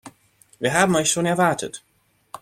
Wir haben euch schon erwartet.